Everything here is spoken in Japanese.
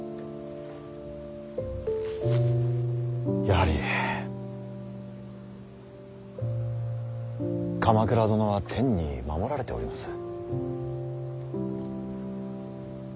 やはり鎌倉殿は天に守られております。